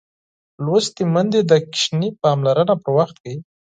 لوستې میندې د ماشوم پاملرنه پر وخت کوي.